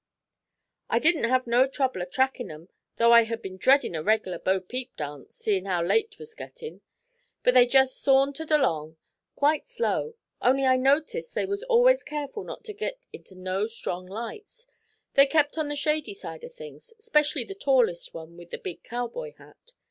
'I didn't have no trouble a trackin' 'em, though I had been dreadin' a reg'lar bo peep dance, seein' how late 'twas gettin'. But they jest sa auntered along, quite slow, only I noticed they was always careful not to git into no strong lights; they kept on the shady side of things, 'specially the tallest one with the big cow boy hat.